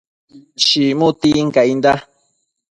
chimu tincainda